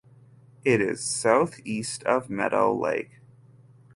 It is southeast of Meadow Lake.